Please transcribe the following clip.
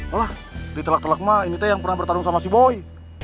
allah ditolak tolak mainkan pernah bertarung sama si boy